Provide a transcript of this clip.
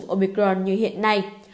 omicron như hiện nay